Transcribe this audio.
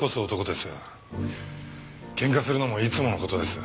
喧嘩するのもいつもの事です。